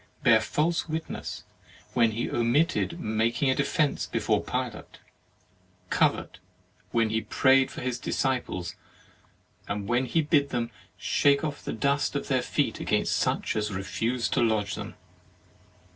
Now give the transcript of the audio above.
bear false witness when He omitted making a defence before Pilate? covet when He prayed for His disciples, and when He bid them shake off the dust of their feet against such as refused to lodge them?